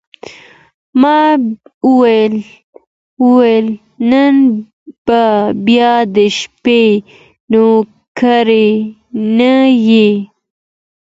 ما وویل: نن به بیا د شپې نوکري نه یې؟